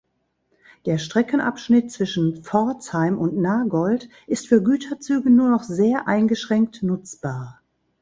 Der Streckenabschnitt zwischen Pforzheim und Nagold ist für Güterzüge nur noch sehr eingeschränkt nutzbar.